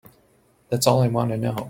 That's all I want to know.